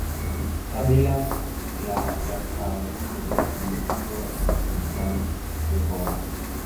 Kabila la Wakaguru lilikuwa linajulikana uwepo wake